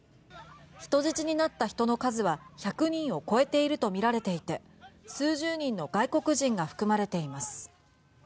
人質になった人の数は１００人を超えているとみられていて数十人の外国人が含まれています。